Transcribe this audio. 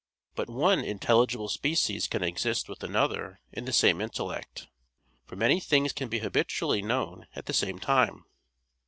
But one intelligible species can exist with another in the same intellect, for many things can be habitually known at the same time.